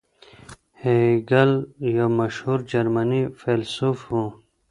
هیګل یو مشهور جرمني فیلسوف و.